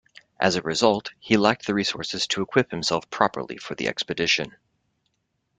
As a result, he lacked the resources to equip himself properly for the expedition.